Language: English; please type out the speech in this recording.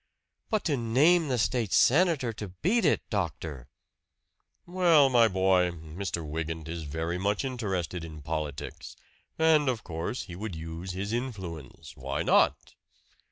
"But to name the State senator to beat it, doctor!" "Well, my boy, Mr. Wygant is very much interested in politics; and, of course, he would use his influence. Why not?"